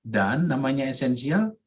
dan namanya esensial